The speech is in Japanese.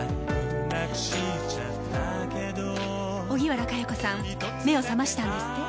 荻原佳代子さん目を覚ましたんですって？